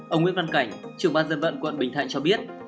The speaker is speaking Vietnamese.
ông nguyễn văn cảnh trưởng ban dân vận quận bình thạnh cho biết